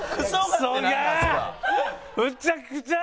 むちゃくちゃ！